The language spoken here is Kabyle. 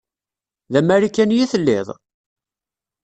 D amarikani i telliḍ?